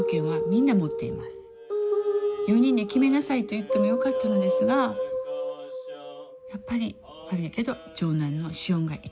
４人で決めなさいと言ってもよかったのですがやっぱり悪いけど長男の師恩が１番。